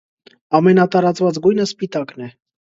Ամենատարածված գույնը սպիտակն է։